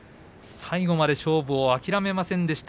最後まで勝負を諦めませんでした。